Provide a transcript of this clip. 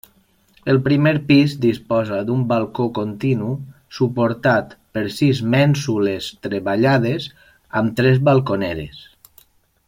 El primer pis disposa d'un balcó continu suportat per sis mènsules treballades amb tres balconeres.